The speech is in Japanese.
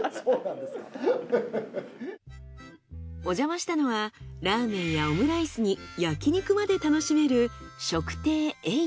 おじゃましたのはラーメンやオムライスに焼き肉まで楽しめる。